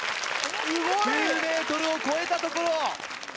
９ｍを超えたところ。